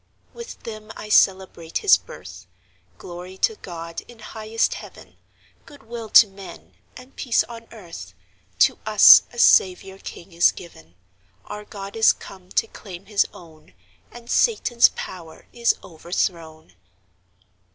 With them I celebrate His birth Glory to God, in highest Heaven, Good will to men, and peace on earth, To us a Saviour king is given; Our God is come to claim His own, And Satan's power is overthrown!